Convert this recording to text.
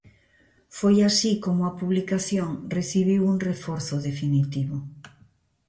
Foi así como a publicación recibiu un reforzo definitivo.